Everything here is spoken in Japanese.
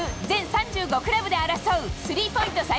全３５クラブで争うスリーポイント